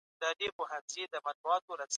که امن نه وي، ژوند سخت کېږي.